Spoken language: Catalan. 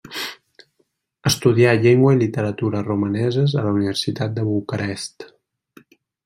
Estudià llengua i literatura romaneses a la Universitat de Bucarest.